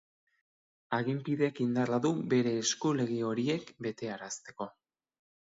Aginpideak indarra du bere esku lege horiek betearazteko.